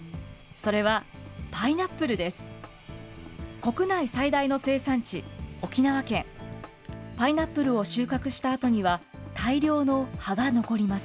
それはパイナップルです。